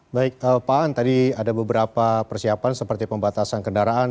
baik pak an tadi ada beberapa persiapan seperti pembatasan kendaraan